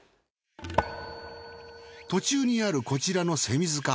途中にあるこちらのせみ塚。